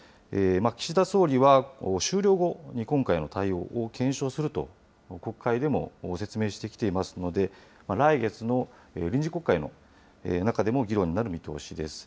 岸田総理は、終了後に今回の対応を検証すると国会でも説明してきていますので、来月の臨時国会の中でも議論になる見通しです。